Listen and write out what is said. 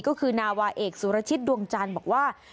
ก็คือนาวาเอกสุรชิตดวงจันทร์บอกว่า